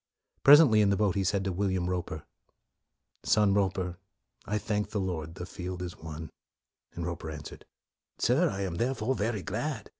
Presently, in the boat, he said to Will iam Roper, " Son Roper, I thank the Lord, the field is won.' 1 Roper answered, " Sir, I am thereof very glad."